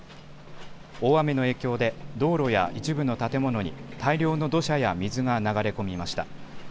大雨の影響で道路や一部の建物に大量の土砂や水が流れ込みました。